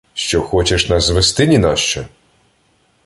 Що хочеш нас звести нінащо?